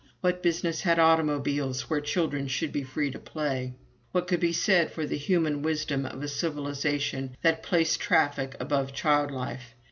What business had automobiles where children should be free to play? What could be said for the human wisdom of a civilization that placed traffic above child life?